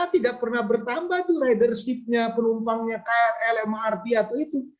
tidak pernah bertambah ridership penumpangnya lrt atau itu